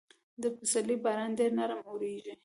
د پسرلي باران ډېر نرم اورېږي.